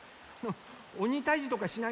「おにたいじ」とかしないんですか？